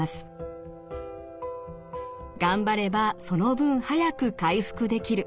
頑張ればその分早く回復できる。